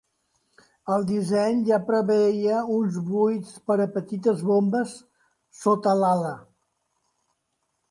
El disseny ja preveia uns buits per a petites bombes sota l'ala.